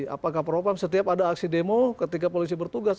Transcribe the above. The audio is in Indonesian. apakah propam setiap ada aksi demo ketika polisi bertugas